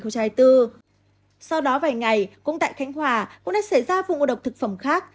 sau đó vài ngày cũng tại khánh hòa cũng đã xảy ra vụ ngộ độc thực phẩm khác